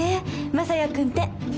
雅也君て。